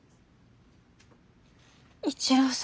一郎さん